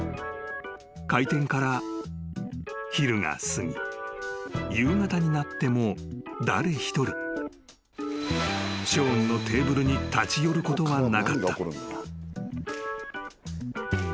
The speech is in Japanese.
［開店から昼が過ぎ夕方になっても誰一人ショーンのテーブルに立ち寄ることはなかった］